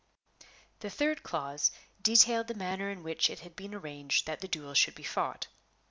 The third clause detailed the manner in which it had been arranged that the duel should be fought.